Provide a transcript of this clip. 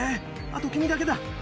あと君だけだ。